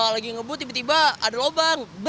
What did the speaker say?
lagi ngebut tiba tiba ada lubang